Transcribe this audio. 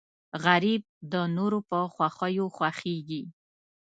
غریب د نورو په خوښیو خوښېږي